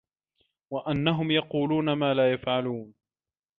وَأَنَّهُم يَقولونَ ما لا يَفعَلونَ